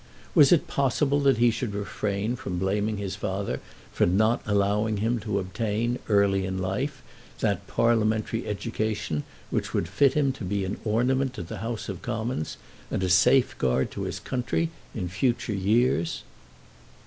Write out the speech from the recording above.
Was it possible that he should refrain from blaming his father for not allowing him to obtain, early in life, that parliamentary education which would fit him to be an ornament to the House of Commons, and a safeguard to his country in future years?